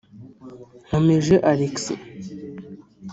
Nkomeje Alexis